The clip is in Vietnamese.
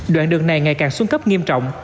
đoạn đường này ngày càng xuân cấp nghiêm trọng